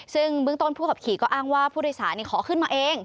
ซึ่งเบื้องต้นผู้ขับขี่ก็อ้างว่าผู้โดยสารขอขึ้นมาเอง